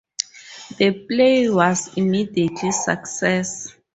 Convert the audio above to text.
The play was an immediate success.